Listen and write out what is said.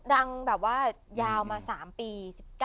ดังแบบว่ายาวมา๓ปี๑๙